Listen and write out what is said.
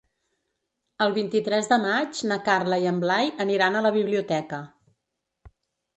El vint-i-tres de maig na Carla i en Blai aniran a la biblioteca.